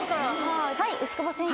はい牛窪先生。